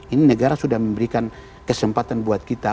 ini negara sudah memberikan kesempatan buat kita